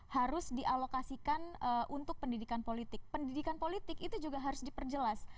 harus dialokasikan untuk pendidikan politik pendidikan politik itu juga harus diperjelas